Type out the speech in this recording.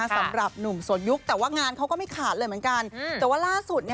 สำหรับหนุ่มสนยุคแต่ว่างานเขาก็ไม่ขาดเลยเหมือนกันแต่ว่าล่าสุด